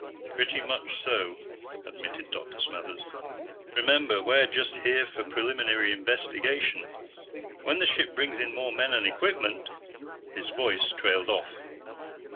"Pretty much so," admitted Dr. Smathers. "Remember, we're just here for preliminary investigation. When the ship brings in more men and equipment " His voice trailed off.